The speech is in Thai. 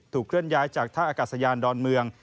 เคลื่อนย้ายจากท่าอากาศยานดอนเมือง